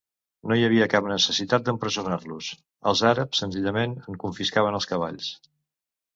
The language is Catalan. No hi havia cap necessitat d'empresonar-los: els àrabs senzillament en confiscaven els cavalls.